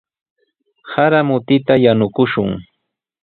Sarata mutita yanukushun.